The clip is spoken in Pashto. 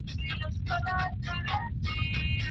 کله به خدایه بیا کندهار وي